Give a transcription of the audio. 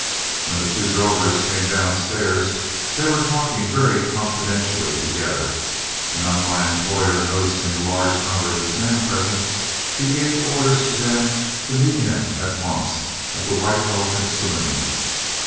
When the two drovers came downstairs, they were talking very confidentially together, and on my employer noticing the large number of his men present, he gave orders for them to meet him at once at the White Elephant saloon.